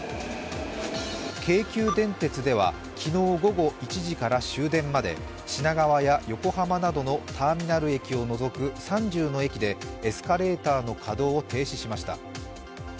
京急電鉄では、昨日午後１時から終電まで品川や横浜などのターミナル駅を除く３０の駅でエスカレーターの稼働を停止しました。